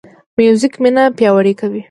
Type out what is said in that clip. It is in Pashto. موزیک مینه پیاوړې کوي.